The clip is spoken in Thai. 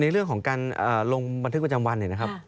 ในเรื่องของการลงบันทึกประจำวัน